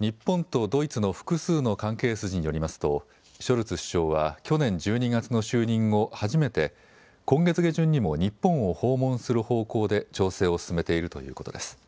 日本とドイツの複数の関係筋によりますとショルツ首相は去年１２月の就任後初めて今月下旬にも日本を訪問する方向で調整を進めているということです。